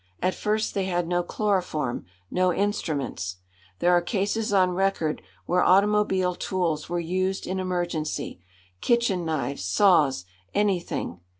At first they had no chloroform, no instruments. There are cases on record where automobile tools were used in emergency, kitchen knives, saws, anything.